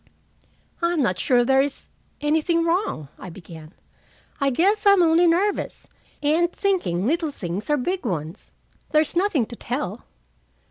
"I'm not sure there is anything wrong," I began. "I guess I'm only nervous, and thinking little things are big ones. There's nothing to tell."